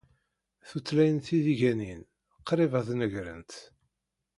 Tutlayin tidiganin qrib ad negrent.